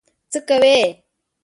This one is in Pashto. څه کوې؟